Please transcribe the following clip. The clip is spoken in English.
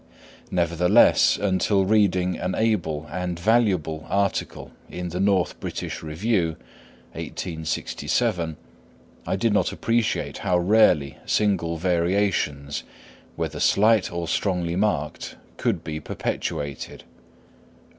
Nevertheless, until reading an able and valuable article in the "North British Review" (1867), I did not appreciate how rarely single variations, whether slight or strongly marked, could be perpetuated.